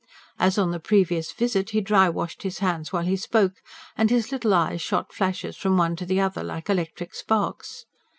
As on the previous visit he dry washed his hands while he spoke, and his little eyes shot flashes from one to the other, like electric sparks.